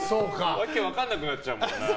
わけが分からなくなっちゃうもんな。